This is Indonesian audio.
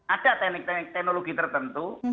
ada teknik teknik teknologi tertentu